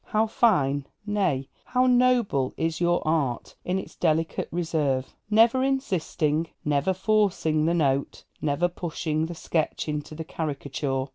How fine, nay, how noble is your art in its delicate reserve, never insisting, never forcing the note, never pushing the sketch into the caricature!